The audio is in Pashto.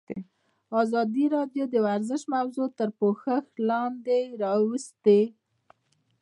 ازادي راډیو د ورزش موضوع تر پوښښ لاندې راوستې.